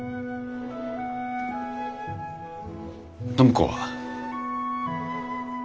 暢子は。